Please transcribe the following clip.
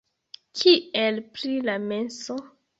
Kiel pri la menso?